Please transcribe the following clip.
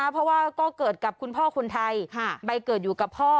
เพราะว่าก็เกิดกับคุณพ่อคนไทยใบเกิดอยู่กับพ่อ